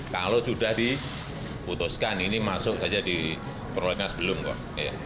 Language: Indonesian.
kalau sudah diputuskan ini masuk saja di prolegnas belum kok